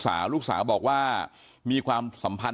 เชิงชู้สาวกับผอโรงเรียนคนนี้